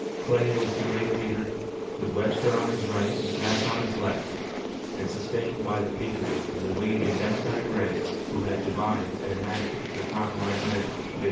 Clay was the great leader, with Webster on his right and Cass on his left and sustained by the patriots in the Whig and Democratic ranks, who had devised and enacted the compromise measures of 1850.